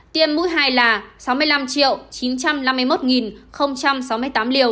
tiêm mũi hai là sáu mươi năm chín trăm năm mươi một sáu mươi tám liều